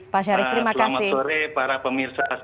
pak syarif terima kasih